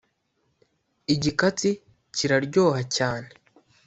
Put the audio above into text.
igikatsi kira ryoha cyane